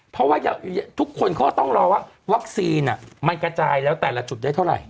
เพราะว่าทุกคนเขาก็ต้องรอว่าวัคซีนมันกระจายแล้วแต่ละจุดได้เท่าไหร่